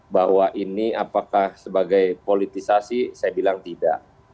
bahwa ini apakah sebagai politisasi saya bilang tidak